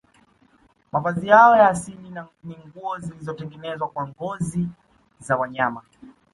Mavazi yao ya asili ni nguo zilizotengenezwa kwa ngozi za wanyama